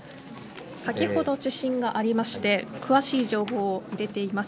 先ほど地震がありまして詳しい情報を入れています。